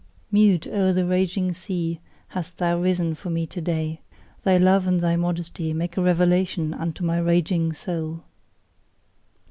Mute o'er the raging sea hast thou risen for me to day; thy love and thy modesty make a revelation unto my raging soul.